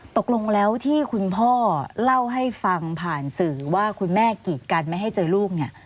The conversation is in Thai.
ตกลงแล้วที่คุณพ่อเล่าให้ฟังผ่านสื่อว่าคุณแม่กีดกันไม่ให้เจอลูกเนี่ย